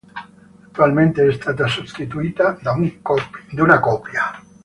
Attualmente è stata sostituita da una copia.